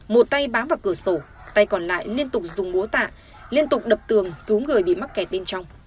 một tay bám vào cửa sổ tay còn lại liên tục dùng múa tạ liên tục đập tường cứu người bị mắc kẹt bên trong